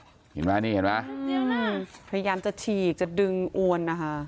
เห็นไหมนี่เห็นไหมพยายามจะฉีกจะดึงอวนนะคะ